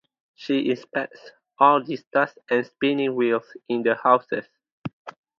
She inspects all distaffs and spinning-wheels in the houses.